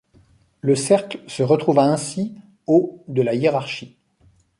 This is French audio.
Le cercle se retrouva ainsi au de la hiérarchie.